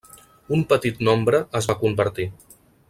Un petit nombre es va convertir.